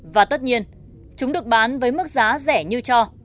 và tất nhiên chúng được bán với mức giá rẻ như cho